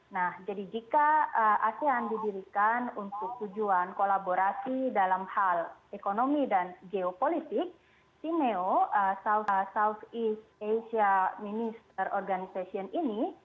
nah jadi jika asean didirikan untuk tujuan kolaborasi dalam hal ekonomi dan geopolitik simeo south east asia minister organization ini